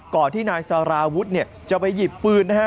ก่อนที่นายสาราวุธเนี่ยจะไปหยิบปืนนะฮะ